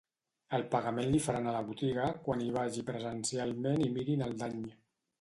El pagament li faran a la botiga quan hi vagi presencialment i mirin el dany.